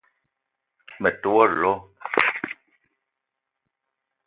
Me te wo lo